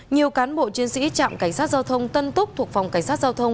nhiều cán bộ chiến sĩ trạm cảnh sát giao thông tân túc thuộc phòng cảnh sát giao thông